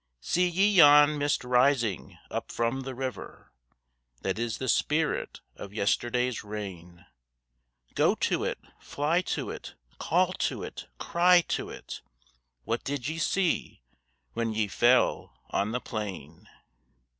See ye yon mist rising up from the river? That is the spirit of yesterday's rain. Go to it, fly to it, call to it, cry to it, What did ye see when ye fell on the plain?